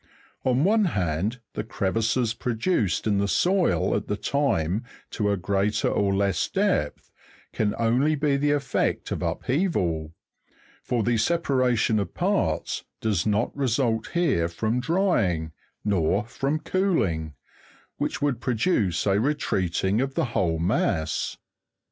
On one hand, the crevices produced in the soil at the time, t a greater or less depth, can only be the effect of upheaval ; for the separation of parts does not result here from drying , nor from cooling, which would produce a retreating of the whole mass.